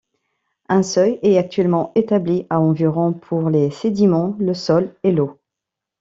Un seuil est actuellement établi à environ pour les sédiments, le sol et l'eau.